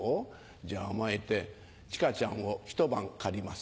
じゃあ甘えて千華ちゃんを一晩借ります